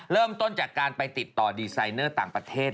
เริ่มต้นจากการไปติดต่อดีไซเนอร์ต่างประเทศ